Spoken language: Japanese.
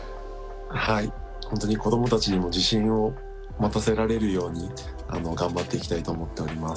はい本当に子どもたちにも自信を持たせられるように頑張っていきたいと思っております。